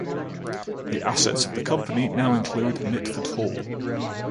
The assets of the company now include Mitford Hall.